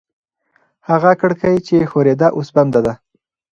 هغه کړکۍ چې ښورېده اوس بنده ده.